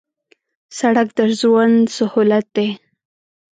سړک د ژوند سهولت دی